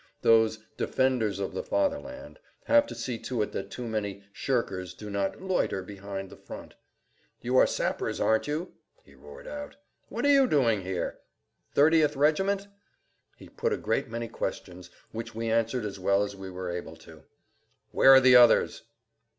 Those "defenders of the Fatherland" have to see to it that too many "shirkers" do not "loiter" behind the front. "You are sappers, aren't you?" he roared out. "What are you doing here? 30th. Regiment?" He put a great many questions which we answered as[Pg 98] well as we were able to. "Where are the others?"